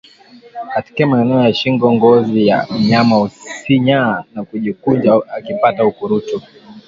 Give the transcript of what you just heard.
Katika maeneo ya shingo ngozi ya mnyama husinyaa na kujikunja akipata ukurutu